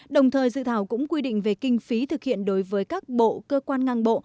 đồng thời dự thảo cũng quy định về kinh phí thực hiện đối với các bộ cơ quan ngang bộ